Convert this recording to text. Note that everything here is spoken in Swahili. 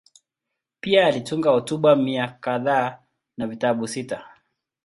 Pia alitunga hotuba mia kadhaa na vitabu sita.